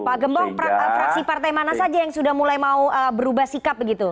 pak gembong fraksi partai mana saja yang sudah mulai mau berubah sikap begitu